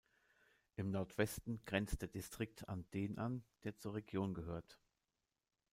Im Nordwesten grenzt der Distrikt an den an, der zur Region gehört.